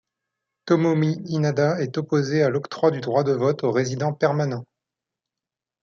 Tomomi Inada est opposée à l’octroi du droit de vote aux résidents permanents.